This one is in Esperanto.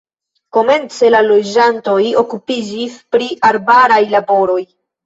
Komence la loĝantoj okupiĝis pri arbaraj laboroj.